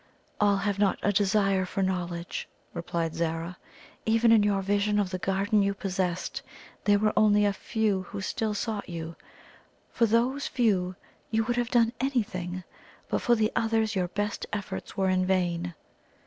"All have not a desire for knowledge," replied Zara. "Even in your vision of the garden you possessed, there were only a few who still sought you; for those few you would have done anything, but for the others your best efforts were in vain."